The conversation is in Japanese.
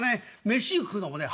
飯食うのもね